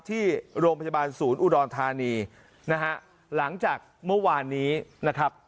ที่โรงพยาบาลศูนย์อุดรธานีนะฮะหลังจากเมื่อวานนี้นะครับ